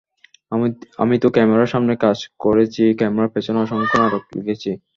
আমি তো ক্যামেরার সামনে কাজ করেছি, ক্যামেরার পেছনে অসংখ্য নাটক লিখেছি।